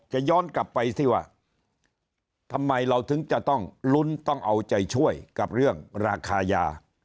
ย้อนกลับไปที่ว่าทำไมเราถึงจะต้องลุ้นต้องเอาใจช่วยกับเรื่องราคายา